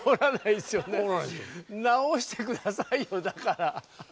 直して下さいよだから。